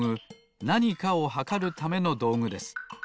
なにかをはかるためのどうぐです。